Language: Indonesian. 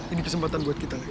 ini kesempatan buat kita